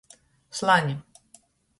Slane.